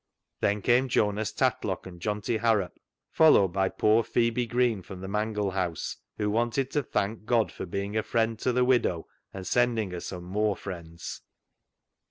Then came Jonas Tatlock and Johnty Harrop, followed by poor Phebe Green from the mangle house, who wanted " to thank God for being a friend to the widow and sending her some more friends."